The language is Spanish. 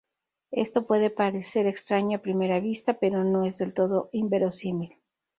Esto puede parecer extraño a primera vista, pero no es del todo inverosímil.